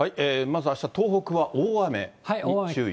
まずあした、東北は大雨に注意。